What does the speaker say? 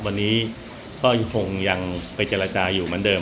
วันนี้ก็ยังคงยังไปเจรจาอยู่เหมือนเดิม